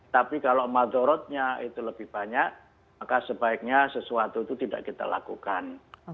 tapi kalau madorotnya itu lebih banyak maka sebaiknya sesuatu itu tidak kita lakukan